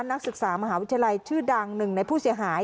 นักศึกษามหาวิทยาลัยชื่อดังหนึ่งในผู้เสียหาย